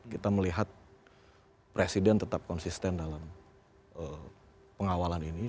kita melihat presiden tetap konsisten dalam pengawalan ini